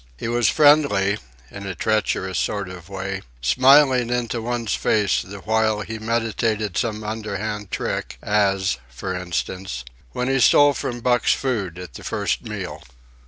He was friendly, in a treacherous sort of way, smiling into one's face the while he meditated some underhand trick, as, for instance, when he stole from Buck's food at the first meal.